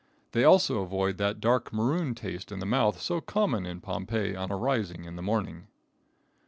They also avoid that dark maroon taste in the mouth so common in Pompeii on arising in the morning.